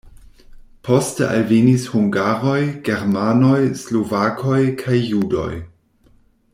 Poste alvenis hungaroj, germanoj, slovakoj kaj judoj.